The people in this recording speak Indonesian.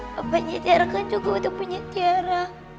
papanya tiara kan juga udah punya tiara